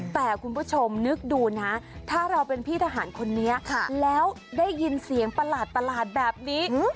แต่คุณผู้ชมนึกดูนะถ้าเราเป็นพี่ทหารคนนี้แล้วได้ยินเสียงประหลาดแบบนี้